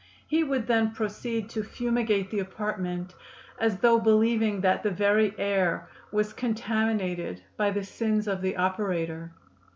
He would then proceed to fumigate the apartment, as though believing that the very air was contaminated by the sins of the operator.